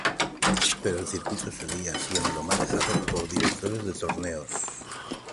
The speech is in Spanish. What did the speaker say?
Pero el circuito seguía siendo manejado por directores de torneos.